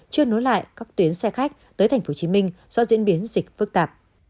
chưa nối lại các tuyến xe khách tới tp hcm do diễn biến dịch phức tạp